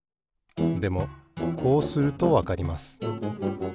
でもこうするとわかります。